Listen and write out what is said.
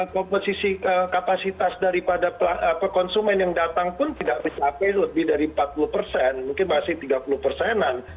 jadi kapasitas daripada pekonsumen yang datang pun tidak bisa sampai lebih dari empat puluh persen mungkin masih tiga puluh persenan